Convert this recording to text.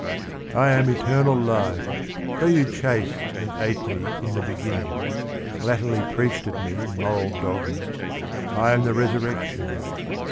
I am eternal life, Though you chased and ate me In the beginning, Latterly preached at me mortal dogma, I am the resurrection.